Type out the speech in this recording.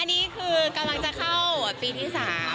อันนี้คือกำลังจะเข้าปีที่๓